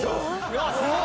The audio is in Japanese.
うわっすごい！